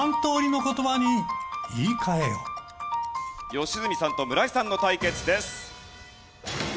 良純さんと村井さんの対決です。